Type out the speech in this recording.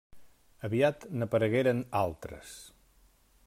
Aviat n'aparegueren altres.